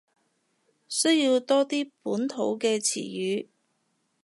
需要多啲本土嘅詞語